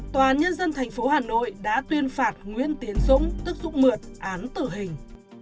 tòa án nhân dân thành phố hà nội đã tuyên phạt nguyên tiến dũng tức dũng mượt án tử hình